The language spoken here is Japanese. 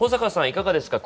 いかがですか。